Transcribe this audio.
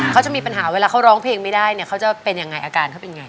เขาจะมีปัญหาเวลาเขาร้องเพลงไม่ได้เนี่ยเขาจะเป็นยังไงอาการเขาเป็นไง